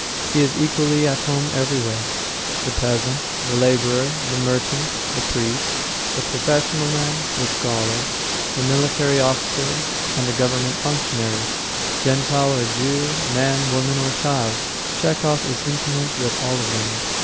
He is equally at home everywhere. The peasant, the labourer, the merchant, the priest, the professional man, the scholar, the military officer, and the government functionary, Gentile or Jew, man, woman, or child Chekhov is intimate with all of them.